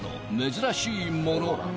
珍しいもの